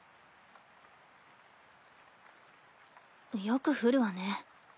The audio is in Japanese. よく降るわね。